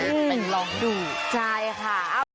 ไปลองดูใช่ค่ะ